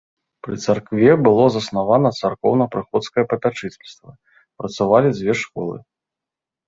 Пры царкве было заснавана царкоўна-прыходскае папячыцельства, працавалі дзве школы.